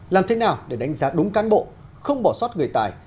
làm thế nào để đánh giá đúng cán bộ không bỏ sót người tài